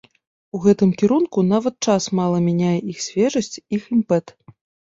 У гэтым кірунку нават час мала мяняе іх свежасць, іх імпэт.